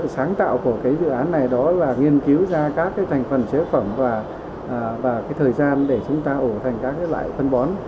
sáng tạo của dự án này đó là nghiên cứu ra các thành phần chế phẩm và thời gian để chúng ta ủ thành các loại phân bón